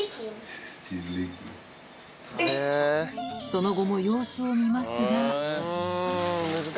その後も様子を見ますが。